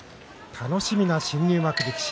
楽しみな新入幕力士